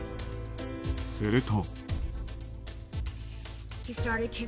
すると。